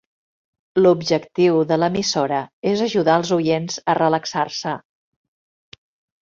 L'objectiu de l'emissora és ajudar els oients a relaxar-se.